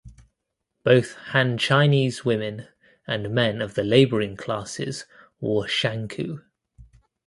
Both Han Chinese women and men of the labouring classes wore "shanku".